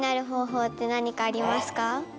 って何かありますか？